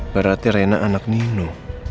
berarti rena anak nino